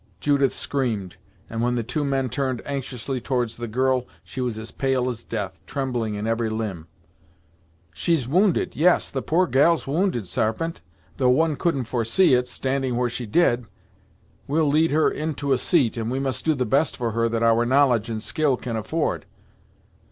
Judith screamed, and when the two men turned anxiously towards the girl she was as pale as death, trembling in every limb. "She's wounded yes, the poor gal's wounded, Sarpent, though one couldn't foresee it, standing where she did. We'll lead her in to a seat, and we must do the best for her that our knowledge and skill can afford."